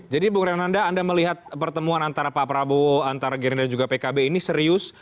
jadi bu renanda anda melihat pertemuan antara pak prabowo antara gerindra juga pkb ini serius